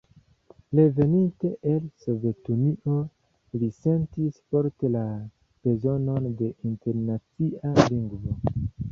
Reveninte el Sovetunio, li sentis forte la bezonon de internacia lingvo.